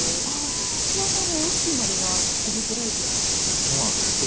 土屋さんが大きい丸が切りづらいとおっしゃってましたけども。